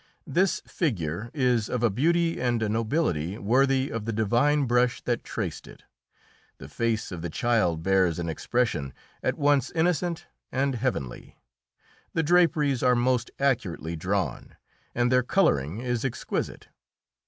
This figure is of a beauty and a nobility worthy of the divine brush that traced it; the face of the child bears an expression at once innocent and heavenly; the draperies are most accurately drawn, and their colouring is exquisite.